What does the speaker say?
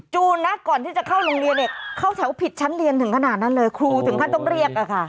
นะก่อนที่จะเข้าโรงเรียนเนี่ยเข้าแถวผิดชั้นเรียนถึงขนาดนั้นเลยครูถึงขั้นต้องเรียกอะค่ะ